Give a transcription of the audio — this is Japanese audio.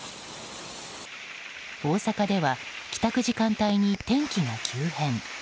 大阪では帰宅時間帯に天気が急変。